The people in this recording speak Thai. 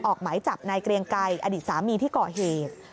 ออกไหมจับนายเกลียงกายอดีตสามีที่เกาะเหตุ